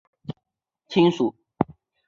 巨海豚是虎鲸般大小的剑吻古豚亲属。